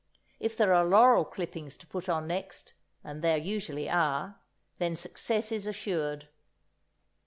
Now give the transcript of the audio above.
If there are laurel clippings to put on next, and there usually are, then success is assured.